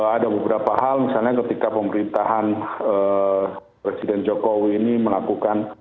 ada beberapa hal misalnya ketika pemerintahan presiden jokowi ini melakukan